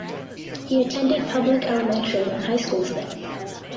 He attended public elementary and high schools there.